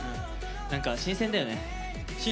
なんか新鮮だよね。